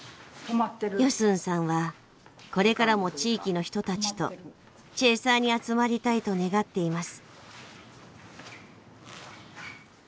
ヨスンさんはこれからも地域の人たちとチェーサーに集まりたいと願っています。